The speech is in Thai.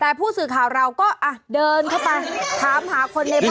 แต่ผู้สื่อข่าวเราก็เดินเข้าไปถามหาคนในบ้าน